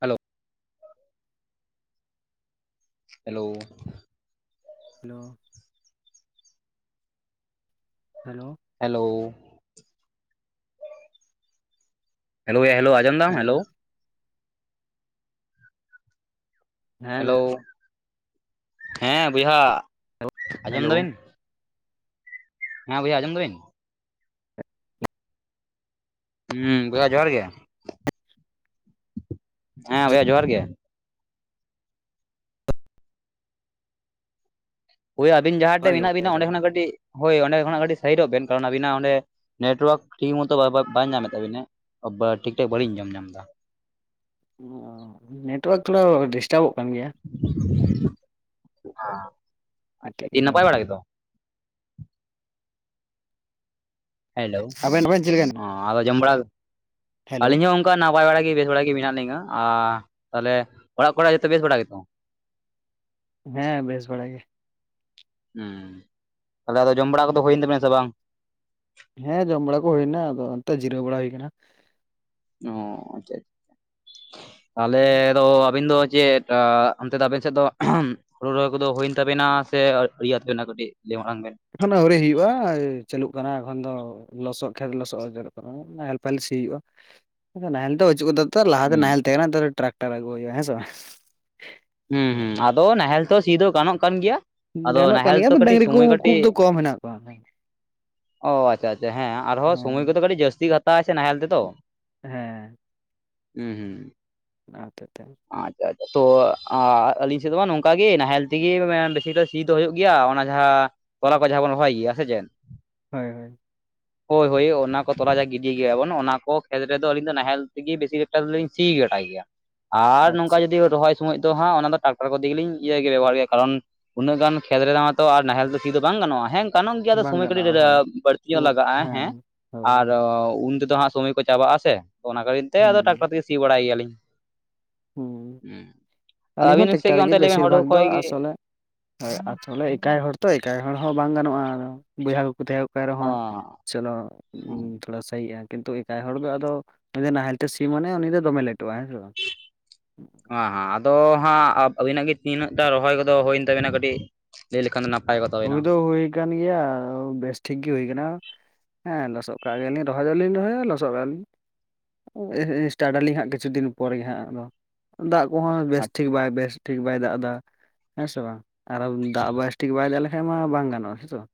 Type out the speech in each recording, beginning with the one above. Hello hello hello hello hello hello hello ᱟᱡᱚᱢ ᱫᱟᱢ hello ᱦᱮᱸ ᱦᱮᱞᱳ ᱜᱚᱝᱠᱮ ᱦᱮᱸ ᱵᱚᱭᱦᱟ ᱟᱸᱡᱚᱢ ᱦᱮᱞᱳ ᱫᱟᱵᱤᱱ? ᱦᱮᱸ ᱵᱩᱭᱦᱟ ᱟᱡᱚᱢ ᱫᱟᱵᱤᱱ? ᱦᱩᱸ ᱜᱚᱭᱟ ᱡᱚᱦᱟᱨ ᱜᱮ ᱦᱮᱸ ᱵᱚᱭᱦᱟ ᱡᱚᱦᱟᱨ ᱜᱮ ᱦᱳᱭ ᱟᱹᱵᱤᱱ ᱡᱟᱦᱟᱸ ᱡᱚᱦᱟᱨ ᱴᱷᱮᱡ ᱜᱮ ᱢᱮᱱᱟᱜ ᱵᱚᱭᱦᱟ ᱵᱤᱱᱟ ᱚᱸᱰᱮ ᱡᱚᱦᱟᱨ ᱜᱮ ᱠᱷᱚᱱᱟᱜ ᱠᱟᱹᱴᱤᱡ ᱦᱳᱭ ᱚᱸᱰᱮ ᱠᱷᱚᱱᱟᱜ ᱠᱟᱹᱴᱤᱡ ᱥᱟᱭᱤᱰᱚᱜ ᱵᱮᱱ ᱠᱟᱨᱚᱱ ᱟᱵᱤᱱᱟᱜ ᱚᱸᱰᱮ ᱱᱮᱴᱣᱟᱨᱠ ᱴᱷᱤᱠ ᱢᱚᱛᱚ ᱵᱟᱭ ᱧᱟᱢᱮᱫ ᱛᱟᱵᱤᱱᱟ᱾ ᱴᱷᱤᱠ ᱴᱷᱟᱠ ᱵᱟᱹᱞᱤᱧ ᱟᱸᱡᱚᱢ ᱧᱟᱢ ᱫᱟ᱾ ᱚ ᱱᱮᱴᱳᱣᱟᱨᱠ ᱛᱷᱚᱲᱟ ᱰᱤᱥᱴᱟᱵᱚᱜ ᱠᱟᱱ ᱜᱮᱭᱟ᱾ ᱟᱪᱪᱷᱟ ᱫᱤᱭᱮ ᱠᱟᱹᱴᱤᱡ ᱱᱟᱯᱟᱭ ᱵᱟᱲᱟ ᱜᱮᱛᱚ? ᱦᱮᱞᱳ ᱟᱵᱮᱱ ᱟᱵᱮᱱ ᱪᱮᱫ ᱞᱮᱠᱟ ᱦᱮᱱᱟᱜ ᱟᱫᱚ ᱡᱚᱢ ᱵᱟᱲᱟ ᱦᱮᱞᱳ ᱟᱹᱞᱤᱧ ᱦᱚᱸ ᱚᱱᱠᱟ ᱱᱟᱯᱟᱭ ᱵᱟᱲᱟᱜ ᱜᱮ ᱵᱮᱥ ᱵᱟᱲᱟᱜ ᱜᱮ ᱢᱮᱱᱟᱜ ᱞᱤᱧᱟᱹ, ᱟᱨ ᱛᱟᱦᱚᱞᱮ ᱚᱲᱟᱜ ᱠᱚᱨᱮ ᱡᱚᱛᱚ ᱵᱮᱥ ᱵᱟᱲᱟ ᱜᱮᱛᱚ? ᱦᱮᱸ ᱵᱮᱥ ᱵᱟᱲᱟ ᱜᱮ᱾ ᱦᱩᱸ ᱛᱟᱦᱚᱞᱮ ᱟᱫᱚ ᱡᱚᱢ ᱵᱟᱲᱟ ᱠᱚᱫᱚ ᱦᱩᱭᱮᱱ ᱛᱟᱵᱮᱱᱟ ᱥᱮ ᱵᱟᱝ? ᱦᱮᱸ ᱡᱚᱢ ᱵᱟᱲᱟ ᱠᱚ ᱦᱩᱭᱱᱟ ᱟᱫᱚ ᱚᱱᱛᱮ ᱡᱤᱨᱟᱹᱣ ᱵᱟᱲᱟ ᱦᱩᱭᱠᱟᱱᱟ᱾ ᱚᱸ ᱟᱪᱪᱷᱟ ᱟᱪᱪᱷᱟ ᱛᱟᱦᱞᱮ ᱫᱚ ᱟᱹᱵᱤᱱ ᱫᱚ ᱪᱮᱫ ᱟᱸ ᱚᱱᱛᱮ ᱫᱚ ᱟᱵᱮᱱ ᱥᱮᱫ ᱫᱚ ᱦᱩᱲᱩ ᱨᱚᱦᱚᱭ ᱠᱚᱫᱚ ᱦᱩᱭᱮᱱ ᱛᱟᱵᱮᱱᱟ ᱥᱮ ᱟᱹᱣᱨᱤᱭᱟ ᱛᱟᱵᱮᱱᱟ ᱠᱟᱹᱴᱤᱡ ᱞᱟᱹᱭ ᱢᱟᱲᱟᱝ ᱵᱮᱱ ᱮᱠᱷᱚᱱ ᱟᱣᱨᱤ ᱦᱩᱭᱩᱜ-ᱟ ᱪᱟᱹᱞᱩᱜ ᱠᱟᱱᱟ ᱮᱠᱷᱚᱱ ᱫᱚ ᱞᱚᱥᱚᱫ ᱠᱷᱮᱛ ᱞᱚᱥᱚᱜ ᱟᱡᱟᱨᱚᱜ ᱠᱟᱱᱟ᱾ ᱱᱟᱦᱮᱞ ᱯᱟᱭᱦᱮᱞ ᱥᱤ ᱦᱩᱭᱩᱜ-ᱟ ᱱᱟᱦᱮᱞ ᱫᱚ ᱪᱩᱜ ᱠᱟᱫᱟ ᱛᱚ ᱞᱟᱦᱟᱛᱮ ᱦᱩᱸ ᱱᱟᱦᱮᱞ ᱛᱮᱦᱮ ᱠᱟᱱᱟ ᱱᱮᱛᱟᱨ ᱫᱚ ᱴᱨᱠᱴᱟᱨ ᱟᱹᱜᱩ ᱦᱩᱭᱩᱜ-ᱟ ᱦᱮᱸ ᱥᱮ ᱵᱟ ᱦᱩᱸ ᱦᱩᱸ ᱟᱫᱚ ᱱᱟᱦᱮᱞ ᱛᱮᱦᱚ ᱥᱤ ᱫᱚ ᱜᱟᱱᱚᱜ ᱠᱟᱱ ᱜᱮᱭᱟ, ᱟᱫᱚ ᱜᱟᱱᱚᱜ ᱠᱟᱱ ᱱᱟᱦᱮᱞ ᱜᱮᱭᱟ ᱛᱚ ᱟᱫᱚ ᱠᱟᱹᱴᱤᱡ ᱰᱟᱹᱝᱨᱤ ᱠᱚ ᱥᱩᱢᱚᱭ ᱠᱟᱹᱴᱤᱡ ᱠᱷᱩᱵ ᱫᱚ ᱠᱚᱢ ᱦᱮᱱᱟᱜ ᱠᱚᱣᱟ ᱚᱸ ᱟᱪᱪᱷᱟ ᱟᱪᱪᱷᱟ ᱦᱮᱸ ᱟᱨᱦᱚᱸ ᱥᱚᱢᱚᱭ ᱦᱮᱸ ᱠᱚᱫᱚ ᱠᱟᱹᱴᱤᱡ ᱡᱟᱹᱥᱛᱤ ᱦᱟᱛᱟᱣ ᱟᱭ ᱥᱮ ᱱᱟᱦᱮᱞ ᱛᱮᱛᱚ ᱦᱮᱸ ᱦᱩᱸ ᱦᱩᱸ ᱚᱱᱟ ᱦᱚᱛᱮᱜ ᱛᱮ ᱟᱪᱪᱷᱟ ᱟᱪᱪᱷᱟ ᱛᱚ ᱟᱹᱞᱤᱧ ᱥᱮᱫ ᱫᱚ ᱵᱟᱝ ᱱᱚᱝᱠᱟ ᱜᱮ ᱱᱟᱦᱮᱞ ᱛᱮᱜᱮ ᱵᱮᱥᱤ ᱫᱚ ᱥᱤ ᱫᱚ ᱦᱩᱭᱩᱜ ᱜᱮᱭᱟ ᱚᱱᱟ ᱡᱟᱦᱟᱸ ᱛᱚᱞᱟ ᱠᱚ ᱡᱟᱦᱟᱸ ᱵᱚᱱ ᱨᱚᱦᱚᱭ ᱜᱮᱭᱟ ᱥᱮ ᱪᱮᱫ? ᱦᱳᱭ ᱦᱳᱭ [inaudible] ᱦᱳᱭ ᱦᱳᱭ ᱚᱱᱟ ᱠᱚ ᱛᱚᱞᱟ ᱡᱟ ᱜᱤᱰᱤ ᱜᱮᱭᱟᱵᱚᱱ ᱚᱱᱟ ᱠᱚ ᱠᱷᱮᱛ ᱨᱮᱫᱚ ᱟᱹᱞᱤᱧ ᱫᱚ ᱱᱟᱦᱮᱞ ᱛᱮᱜᱤ ᱵᱮᱥᱤ ᱮᱠᱴᱟ ᱫᱚᱤᱧ ᱥᱤ ᱜᱟᱴᱟᱭ ᱜᱮᱭᱟ᱾ ᱟᱨ ᱱᱚᱝᱠᱟ ᱟᱪᱪᱷᱟ ᱡᱩᱫᱤ ᱨᱚᱦᱚᱭ ᱥᱩᱢᱚᱭ ᱫᱚ ᱦᱟᱸᱜ ᱚᱱᱟ ᱫᱚ ᱴᱟᱠᱴᱟᱨ ᱠᱚ ᱛᱮᱜᱮᱞᱧ ᱤᱭᱟᱹ ᱜᱮᱭ ᱵᱮᱵᱚᱦᱟᱨ ᱜᱮᱭᱟ ᱠᱟᱨᱚᱱ ᱩᱱᱟᱹᱜ ᱜᱟᱱ ᱠᱷᱮᱛ ᱨᱮᱫᱚ ᱢᱟᱛᱚ ᱟᱨ ᱱᱟᱦᱮᱞ ᱫᱚ ᱥᱤ ᱫᱚ ᱵᱟᱝ ᱜᱟᱱᱚᱜ-ᱟ᱾ ᱦᱮᱸ ᱠᱟᱱᱚᱜ ᱜᱮᱭᱟᱫᱚ ᱵᱟᱝ ᱥᱚᱢᱚᱭ ᱠᱟᱹᱴᱤᱡ ᱜᱟᱱᱚᱜᱼᱟ ᱦᱳᱭ ᱵᱟᱹᱲᱛᱤ ᱧᱚᱜ ᱛᱚ ᱞᱟᱜᱟᱜ-ᱟ ᱦᱮᱸ ᱦᱳᱭ ᱟᱨ ᱦᱳᱭ ᱩᱱ ᱛᱮᱫᱚ ᱦᱟᱸᱜ ᱥᱚᱢᱚᱭ ᱠᱚ ᱪᱟᱵᱟᱜ ᱟᱥᱮ ᱚᱱᱟ ᱠᱟᱛᱤᱨ ᱛᱮ ᱟᱫᱚ ᱴᱟᱠᱴᱟᱨ ᱦᱩᱸ ᱛᱮᱜᱮ ᱥᱤ ᱵᱟᱲᱟᱭ ᱜᱮᱭᱟᱞᱤᱧ᱾ ᱦᱩᱸ ᱟᱫᱚ ᱟᱹᱞᱤᱧ ᱦᱚᱸ ᱟᱹᱵᱤᱱ ᱥᱮᱫ ᱴᱮᱠᱴᱟᱨ ᱚᱱᱛᱮ ᱜᱮ ᱞᱟᱹᱭ ᱵᱤᱱ ᱵᱮᱥᱤᱨ ᱦᱩᱲᱩ ᱵᱷᱟᱜᱽ ᱠᱷᱚᱡ ᱫᱚ ᱜᱮ ᱟᱥᱚᱞᱮ ᱦᱳᱭ ᱟᱥᱚᱞᱮ ᱮᱠᱟᱭ ᱦᱚᱲ ᱛᱚ ᱮᱠᱟᱭ ᱦᱚᱲ ᱦᱚᱸ ᱵᱟᱝ ᱜᱟᱱᱚᱜ-ᱟ ᱵᱚᱭᱦᱟ ᱠᱚᱠᱚ ᱛᱟᱦᱮᱸ ᱠᱚᱜ ᱯᱮ ᱚ ᱨᱮᱦᱚᱸ ᱪᱚᱞᱚ ᱦᱩᱸ ᱛᱷᱚᱲᱟ ᱥᱟᱦᱤᱜ-ᱟ᱾ ᱠᱤᱱᱛᱩ ᱮᱠᱟᱭ ᱦᱚᱲ ᱫᱚ ᱟᱫᱚ ᱩᱱᱤ ᱫᱚ ᱱᱟᱦᱮᱞ ᱛᱮ ᱥᱤ ᱢᱟᱱᱮ ᱩᱱᱤ ᱫᱚᱢᱮᱭ ᱞᱮᱴᱚᱜ-ᱟ, ᱦᱮᱸᱥ ᱵᱟᱝ? ᱦᱟᱸ ᱦᱟᱸ ᱟᱫᱚ ᱦᱟᱸᱜ ᱟᱹᱵᱤᱱᱟᱜ ᱜᱮ ᱛᱤᱱᱟᱹᱜ ᱴᱟ ᱨᱚᱦᱚᱭ ᱠᱚᱫᱚ ᱦᱩᱭᱮᱱ ᱛᱟᱵᱤᱱᱟ ᱠᱟᱹᱴᱤᱡ ᱞᱟᱹᱭ ᱞᱮᱠᱷᱟᱱ ᱫᱚ ᱱᱟᱯᱟᱭ ᱠᱚᱜ ᱛᱚ ᱦᱩᱭ ᱫᱚ ᱦᱩᱭ ᱠᱟᱱ ᱜᱮᱭᱟ, ᱵᱮᱥᱴᱷᱤᱠ ᱜᱮ ᱦᱩᱭ ᱠᱟᱱᱟ᱾ ᱦᱮᱸ ᱞᱚᱥᱚᱫ ᱠᱟᱜ ᱜᱮᱭᱟᱞᱤᱧ, ᱨᱚᱦᱚᱭ ᱫᱚᱞᱤᱧ ᱨᱚᱦᱚᱭᱟ ᱞᱚᱥᱚᱫ ᱠᱟᱜᱼᱟᱞᱤᱧ᱾ ᱩᱦ ᱥᱴᱟᱴ ᱟᱹᱞᱤᱧ ᱦᱟᱸᱜ ᱠᱤᱪᱷᱩ ᱫᱤᱱ ᱯᱚᱨ ᱜᱮ ᱦᱟᱸᱜ ᱟᱫᱚ, ᱫᱟᱜ ᱠᱚ ᱦᱚᱸ ᱵᱮᱥ ᱴᱷᱤᱠ ᱵᱟᱭ ᱵᱮᱥ ᱴᱷᱤᱠ ᱵᱟᱭ ᱫᱟᱜ ᱮᱫᱟ, ᱦᱮᱸ ᱥᱮ ᱵᱟᱝ? ᱟᱨᱚ ᱫᱟᱜ ᱵᱟᱭ ᱵᱮᱥ ᱴᱷᱤᱠ ᱵᱟᱭ ᱫᱟᱜ ᱞᱮ ᱦᱮᱸ ᱢᱟ ᱵᱟᱝ ᱜᱟᱱᱚᱜᱼᱟ, ᱦᱮᱸ ᱛᱚ᱾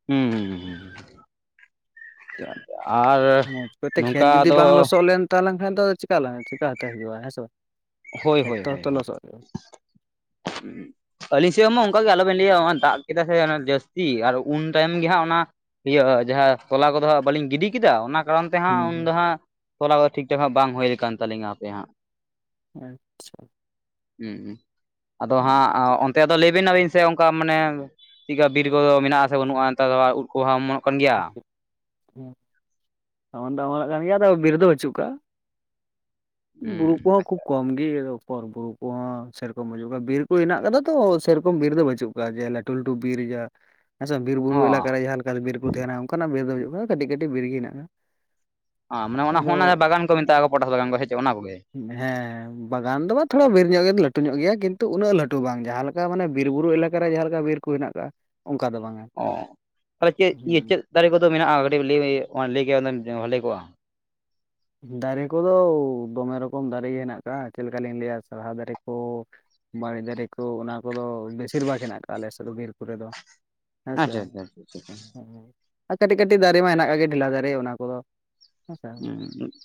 ᱦᱩᱸᱻ ᱦᱩᱸ ᱦᱩᱸ ᱦᱩᱸ ᱦᱩᱸ ᱦᱩᱸ...... ᱾ᱟᱨ ᱱᱚᱝᱠᱟ ᱫᱚ ᱛᱟᱦᱮᱸ ᱞᱮᱱᱠᱷᱟᱡ ᱫᱚ ᱪᱤᱠᱟᱞᱟᱝ ᱪᱤᱠᱟ. ᱛᱮ ᱦᱩᱭᱩᱜ-ᱟ ᱦᱮᱸ ᱥᱮ ᱵᱟᱝ? ᱦᱳᱭ ᱠᱷᱮᱛ ᱦᱳᱭ ᱛᱚ ᱦᱳᱭ ᱛᱚ ᱞᱚᱥᱚᱫ ᱦᱩᱭᱩᱜ-ᱟ᱾ [inaudible] ᱟᱹᱞᱤᱧ ᱥᱮᱫ ᱦᱚᱸ ᱢᱟ ᱚᱱᱠᱟ ᱜᱮ ᱟᱞᱚᱵᱮᱱ ᱞᱟᱹᱭᱟ, ᱚᱱᱟ ᱫᱟᱜ ᱠᱮᱫᱟᱭ ᱥᱮ ᱡᱟᱹᱥᱛᱤ ᱟᱨ ᱩᱱ ᱛᱟᱭᱚᱢ ᱜᱮ ᱦᱟᱸᱜ ᱚᱱᱟ ᱤᱭᱟᱹ ᱡᱟᱦᱟᱸ, ᱛᱚᱞᱟ ᱠᱚᱫᱚ ᱦᱟᱸᱜ ᱵᱟᱹᱞᱤᱧ ᱜᱤᱰᱤ ᱠᱮᱫᱟ, ᱚᱱᱟ ᱠᱟᱨᱚᱱ ᱛᱮ ᱦᱟᱸᱜ ᱩᱱᱫᱚ ᱦᱩᱸ ᱦᱟᱸᱜ, ᱛᱚᱞᱟ ᱠᱚ ᱴᱷᱤᱠ ᱴᱷᱟᱠ ᱦᱟᱸᱜ ᱵᱟᱝ ᱦᱩᱭᱠᱟᱱ ᱛᱟᱹᱞᱤᱧᱟ ᱦᱟᱯᱮ ᱦᱟᱸᱜ᱾ ᱟᱪᱪᱷᱟ᱾ ᱦᱩᱸ ᱦᱩᱸ, ᱟᱫᱚ ᱦᱟᱸᱜ ᱚᱱ ᱛᱮ ᱟᱫᱚ ᱞᱟᱹᱭ ᱵᱮᱱ ᱟᱵᱤᱱ ᱥᱮ ᱚᱝᱠᱟ ᱢᱟᱱᱮ, ᱪᱮᱫᱠᱟ ᱵᱤᱨ ᱠᱚᱫᱚ ᱢᱮᱱᱟᱜᱼᱟ ᱥᱮ ᱵᱟᱹᱱᱩᱜᱼᱟ ᱱᱮᱛᱟᱨ ᱫᱚ ᱟᱨ ᱤᱫ ᱠᱚ ᱦᱚᱸ ᱢᱚᱱᱚᱜ ᱠᱟᱱ ᱜᱮᱭᱟ? ᱦᱩᱸ, ᱚᱢᱚᱱ ᱫᱚ ᱚᱢᱚᱱᱚᱜ ᱠᱟᱱ ᱜᱮᱭᱟ ᱟᱫᱚ ᱵᱤᱨ ᱫᱚ ᱵᱟ. ᱪᱩᱜ ᱠᱟᱜ-ᱟ᱾ ᱵᱩᱨᱩ ᱦᱩᱸ ᱠᱚ ᱦᱚᱸ ᱟᱪᱪᱷᱟ ᱠᱷᱩᱵ ᱠᱚᱢ ᱜᱮ ᱯᱚᱨ ᱵᱩᱨᱩ ᱠᱚᱦᱚᱸ ᱥᱮᱨᱚᱠᱚᱢ ᱵᱟᱹᱪᱩᱜ ᱠᱟᱜ-ᱟ, ᱵᱤᱨ ᱠᱚ ᱦᱮᱱᱟᱜ ᱟᱠᱟᱫᱟ ᱛᱚ ᱥᱮᱨᱚᱠᱚᱢ ᱵᱤᱨ ᱫᱚ ᱵᱟᱹᱪᱩᱜ ᱠᱟᱜ-ᱟ ᱡᱮ ᱞᱟᱹᱴᱩ ᱞᱟᱹᱴᱩ ᱵᱤᱨ ᱭᱟ, ᱦᱮᱸᱥᱮ ᱵᱤᱨ ᱚ ᱵᱩᱨᱩ ᱮᱞᱟᱠᱟ ᱨᱮ ᱡᱟᱦᱟᱸ ᱞᱮᱠᱟ ᱵᱤᱨ ᱠᱚ ᱛᱟᱦᱮᱸᱱᱟ ᱚᱝᱠᱟ ᱱᱟᱜ ᱵᱤᱨ ᱫᱚ ᱦᱩᱭᱩᱜ-ᱟ ᱠᱟᱹᱴᱤᱡ ᱠᱟᱹᱴᱤᱡ ᱵᱤᱨ ᱜᱮ ᱦᱮᱱᱟᱜᱼᱟ᱾ ᱚ ᱢᱟᱱᱮ ᱚᱱᱟ ᱦᱚᱸ ᱟᱫᱚ ᱚᱱᱟ ᱡᱟᱦᱟᱸ ᱵᱟᱜᱟᱱ ᱠᱚ ᱢᱮᱛᱟᱜᱼᱟ ᱠᱚ ᱯᱚᱴᱟᱥ ᱵᱟᱜᱟᱱ ᱠᱚ ᱦᱮ ᱪᱮ ᱚᱱᱟ ᱠᱚᱜᱮ? ᱦᱮᱸ᱾ ᱵᱟᱜᱟᱱ ᱫᱚ ᱵᱟᱝ ᱛᱷᱚᱲᱟ ᱵᱤᱨ ᱧᱚᱜ ᱜᱮ ᱞᱟᱹᱴᱩ ᱧᱚᱜ ᱜᱮᱭᱟ ᱠᱤᱱᱛᱩ ᱩᱱᱟᱹᱜ ᱞᱟᱹᱴᱩ ᱦᱚᱸ ᱵᱟᱝ, ᱡᱟᱸᱦᱟ ᱞᱮᱠᱟ ᱢᱟᱱᱮ ᱵᱤᱨᱵᱩᱨᱩ ᱮᱞᱟᱠᱟᱨᱮ ᱡᱟᱸᱦᱟ ‌ᱞᱮᱠᱟ ᱵᱤᱨ ᱠᱚ ᱦᱮᱱᱟᱜ ᱟᱠᱟᱟᱜᱼᱟ, ᱚᱝᱠᱟ ᱫᱚ ᱵᱟᱝᱟ᱾ ᱚᱸᱻ ᱛᱟᱦᱚᱞᱮ ᱪᱮᱫ ᱤᱭᱟᱹ ᱪᱮᱫ ᱫᱟᱨᱮ ᱠᱚᱫᱚ ᱢᱮᱱᱟᱜᱼᱟ ᱠᱟᱹᱴᱤᱡ ᱞᱟᱹᱭ ᱞᱟᱹᱭ ᱠᱮᱭᱟ ᱦᱩᱱᱟᱹᱝ ᱵᱷᱟᱞᱮ ᱠᱚᱜᱼᱟ᱾ ᱫᱟᱨᱮ ᱠᱚᱫᱚ ᱫᱚᱢᱮ ᱨᱚᱠᱚᱢ ᱫᱟᱨᱮ ᱜᱮ ᱦᱮᱱᱟᱜ ᱠᱟᱜᱼᱟ ᱪᱮᱫ ᱞᱮᱠᱟᱞᱤᱧ ᱞᱟᱹᱭᱟ ᱥᱟᱲᱦᱟ ᱫᱟᱨᱮ ᱠᱚ, ᱵᱟᱲᱮ ᱫᱟᱨᱮ ᱠᱚ, ᱚᱱᱟ ᱠᱚᱫᱚ ᱵᱮᱥᱤᱨ ᱵᱷᱟᱜᱽ ᱦᱮᱱᱟᱜ ᱠᱟᱜᱼᱟ ᱟᱞᱮ ᱥᱮᱫ ᱫᱚ ᱵᱤᱨ ᱠᱚ ᱨᱮᱫᱚ᱾ ᱦᱮᱸ ᱥᱮ, ᱟᱪᱪᱷᱟ ᱟᱪᱪᱷᱟ ᱟᱪᱪᱷᱟ ᱟᱪᱪᱷᱟ ᱟᱨ ᱠᱟᱹᱴᱤᱡ ᱠᱟᱹᱴᱤᱡ ᱫᱟᱨᱮ ᱢᱟ ᱦᱮᱱᱟᱜ ᱠᱟᱜ ᱜᱮ ᱰᱷᱮᱞᱟ ᱫᱟᱨᱮ ᱚᱱᱟ ᱠᱚᱫᱚ ᱦᱮᱸᱥᱮ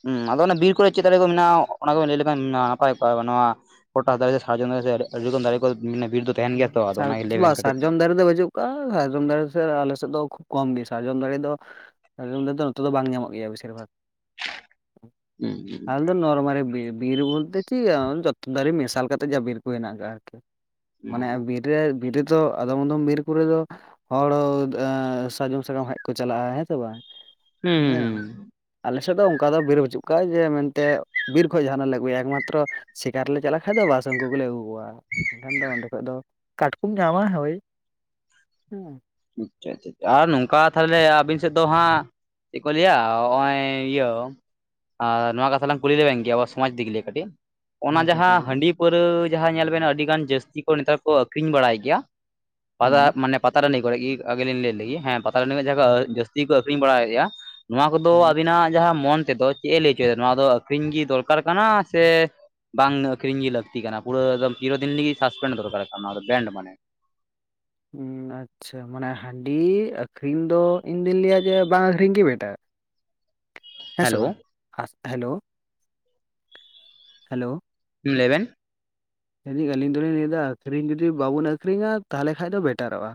ᱦᱩᱸ, ᱟᱫᱚ ᱚᱱᱟ ᱵᱤᱨ ᱠᱚᱨᱮ ᱪᱮᱫ ᱫᱟᱨᱮ ᱠᱚ ᱢᱮᱱᱟᱜᱼᱟ ᱚᱱᱟ ᱠᱚ ᱵᱤᱱ ᱞᱟᱹᱭ ᱞᱮᱠᱷᱟᱱ ᱱᱟᱯᱟᱭ ᱠᱚᱜ-ᱟ, ᱱᱚᱣᱟ ᱯᱚᱴᱟᱥ ᱫᱟᱨᱮ ᱥᱮ, ᱥᱟᱨᱡᱚᱢ ᱫᱟᱨᱮ ᱥᱮ, ᱟᱹᱰᱤ ᱟᱹᱰᱤ ᱨᱚᱠᱚᱡ ᱫᱟᱨᱮ ᱠᱚ ᱢᱟᱱᱮ ᱵᱤᱨᱫᱚ [inaudible] ᱥᱟᱨᱡᱚᱢ ᱫᱟᱨᱮ ᱫᱚ ᱵᱟᱪᱩᱜ ᱠᱟᱜ-ᱟ, ᱥᱟᱨᱡᱚᱢ ᱫᱟᱨᱮ ᱥᱮ ᱟᱞᱮ ᱥᱮᱫ ᱫᱚ ᱠᱚᱢ ᱜᱮ ᱥᱟᱨᱡᱚᱢ ᱫᱟᱨᱮ ᱫᱚ ᱥᱟᱨᱡᱚᱢ ᱫᱟᱨᱮ ᱫᱚ ᱱᱚᱛᱮ ᱫᱚ ᱵᱟᱝ ᱧᱟᱢᱚᱜ ᱜᱮᱭᱟ ᱵᱮᱥᱤᱨ ᱵᱷᱟᱜᱽ᱾ ᱦᱩᱸ ᱦᱩᱸ᱾ ᱟᱫᱚ ᱱᱚᱨᱢᱟᱞᱤ ᱵᱤᱨ, ᱵᱤᱨ ᱵᱚᱞᱛᱮ ᱪᱮᱫ ᱡᱚᱛᱚ ᱫᱟᱨᱮ ᱢᱮᱥᱟᱞ ᱠᱟᱛᱮᱫ ᱡᱟ ᱵᱤᱨ ᱠᱚ ᱦᱮᱱᱟᱜ ᱠᱟᱜᱼᱟ ᱟᱨᱠᱤ, ᱢᱟᱱᱮ ᱵᱤᱨ ᱨᱮ ᱵᱤᱨ ᱨᱮᱫᱚ ᱟᱫᱚᱢ ᱟᱫᱚᱢ ᱵᱤᱨ ᱠᱚᱨᱮ ᱫᱚ ᱦᱚᱲ ᱮᱸ ᱥᱟᱨᱡᱚᱢ ᱥᱟᱠᱟᱢ ᱦᱮᱡ ᱠᱚ ᱪᱟᱞᱟᱜᱼᱟ, ᱦᱮᱸ ᱥᱮ ᱵᱟᱝ? ᱦᱩᱸ ᱦᱮᱸ᱾ ᱦᱩᱸ ᱟᱞᱮ ᱥᱮᱫ ᱫᱚ ᱚᱝᱠᱟ ᱫᱚ ᱵᱤᱨ ᱵᱟᱹᱪᱩᱜ ᱠᱟᱜᱼᱟ ᱡᱮ ᱢᱮᱱᱛᱮ ᱵᱤᱨ ᱠᱷᱚᱡ ᱡᱟᱦᱟᱸᱱᱟᱜ ᱞᱮ ᱟᱹᱜᱩᱭᱟ, ᱮᱠᱢᱟᱛᱨᱚ ᱥᱤᱠᱟᱨ ᱞᱮ ᱪᱟᱞᱟᱜ ᱠᱷᱟᱡ ᱫᱚ ᱵᱟᱥ ᱩᱱᱠᱩ ᱜᱮᱞᱮ ᱟᱜᱩ ᱠᱚᱣᱟ᱾ ᱮᱱᱠᱷᱟᱱ ᱫᱚ ᱚᱸᱰᱮ ᱠᱷᱚᱡ ᱫᱚ, ᱠᱟᱴᱠᱚᱢ ᱧᱟᱢᱟ ᱦᱳᱭ, ᱦᱩᱸ᱾ ᱟᱪᱪᱷᱟ ᱟᱪᱪᱷᱟ, ᱟᱨ ᱱᱚᱝᱠᱟ ᱛᱟᱦᱞᱮ ᱟᱵᱤᱱ ᱥᱮᱫ ᱫᱚ ᱦᱟᱸᱜ ᱪᱮᱜ ᱠᱚ ᱞᱟᱹᱭᱟ ᱦᱚᱸᱜᱼᱚᱭ, ᱤᱭᱟᱹ ᱟᱨ ᱱᱚᱣᱟ ᱠᱟᱛᱷᱟ ᱞᱟᱝ ᱠᱩᱞᱤ ᱞᱮᱵᱮᱱ ᱜᱮ ᱟᱵᱚ ᱥᱚᱢᱟᱡᱽ ᱫᱤᱠ ᱞᱤᱭᱮ ᱠᱟᱴᱤᱡ, ᱚᱱᱟ ᱪᱮᱫ ᱠᱚ ᱡᱟᱦᱟᱸ ᱞᱟᱹᱭᱟ ᱦᱟᱺᱰᱤ, ᱯᱟᱹᱣᱨᱟᱹ ᱡᱟᱦᱟᱸᱭ ᱧᱮᱞ ᱵᱮᱱ ᱟᱹᱰᱤ ᱜᱟᱱ ᱡᱟᱹᱥᱛᱤ ᱠᱚ ᱱᱮᱛᱟᱨ ᱠᱚ ᱟᱹᱠᱷᱨᱤᱧ ᱵᱟᱲᱟᱭ ᱜᱮᱭᱟ, ᱯᱟᱛᱲ ᱦᱩᱸ ᱢᱟᱱᱮ ᱯᱟᱛᱟ ᱴᱟᱺᱰᱤ ᱠᱚᱨᱮᱜ ᱜᱤ, ᱟᱜᱮ ᱞᱤᱧ ᱞᱟᱹᱭ ᱞᱮᱜᱤ, ᱦᱮᱸ ᱯᱟᱛᱟ ᱴᱟᱺᱰᱤ ᱠᱚ ᱡᱟᱦᱟᱸᱭ ᱠᱚ ᱡᱟᱹᱥᱛᱤ ᱠᱚ ᱟᱠᱷᱨᱤᱧ ᱵᱟᱲᱟᱭᱮᱜᱼᱟ ᱱᱚᱣᱟ ᱠᱚᱫᱚ ᱦᱩᱸ ᱟᱵᱤᱱᱟᱜ ᱡᱟᱦᱟᱸ ᱢᱚᱱ ᱛᱮᱫᱚ ᱪᱮᱜ ᱮ ᱞᱟᱹᱭ ᱦᱚᱪᱚᱭᱮᱫᱟ ᱱᱚᱣᱟ ᱫᱚ ᱟᱹᱠᱷᱨᱤᱧ ᱜᱤ ᱫᱚᱨᱠᱟᱨ ᱠᱟᱱᱟ ᱥᱮ ᱵᱟᱝ ᱟᱹᱠᱷᱨᱤᱧ ᱜᱤ ᱞᱟᱹᱠᱛᱤ ᱠᱟᱱᱟ, ᱯᱩᱨᱟᱹ ᱮᱠᱫᱚᱢ ᱪᱤᱨᱳ ᱫᱤᱱ ᱞᱟᱹᱜᱤᱫ ᱥᱟᱥᱯᱮᱱᱰ ᱫᱚᱨᱠᱟᱨᱚᱜ ᱠᱟᱱᱟ ᱱᱚᱣᱟ ᱫᱚ ᱵᱮᱱᱰ ᱢᱟᱱᱮ? ᱩᱸᱻ ᱟᱪ ᱪᱷᱟ, ᱢᱟᱱᱮ ᱦᱟᱺᱰᱤ ᱟᱹᱠᱷᱨᱤᱧ ᱫᱚ ᱤᱧ ᱫᱩᱧ ᱞᱟᱹᱭᱟ ᱡᱮ ᱵᱟᱝ ᱟᱹᱠᱷᱨᱤᱧ ᱜᱤ ᱵᱮᱴᱟ ᱦᱮᱸ ᱥᱮ ᱦᱮᱞᱳ ᱵᱟᱝ? ᱟᱥᱛᱮ, ᱦᱮᱞᱳᱣ ᱦᱮᱞᱳᱣ ᱾ ᱞᱟᱹᱭ ᱵᱮᱱ, ᱞᱟᱹᱭ ᱟᱹᱞᱤᱧ ᱫᱚᱞᱤᱧ ᱞᱟᱹᱭᱫᱟ ᱟᱹᱠᱷᱨᱤᱧ ᱡᱩᱫᱤ ᱵᱟᱵᱚᱱ ᱟᱹᱷᱨᱤᱧᱟ ᱛᱟᱦᱞᱮ ᱠᱷᱟᱡ ᱫᱚ ᱵᱮᱴᱟᱨᱚᱜᱼᱟ᱾